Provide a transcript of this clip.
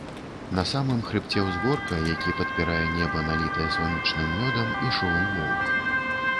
На самым хрыбце ўзгорка, які падпірае неба, налітае сонечным мёдам, ішоў воўк.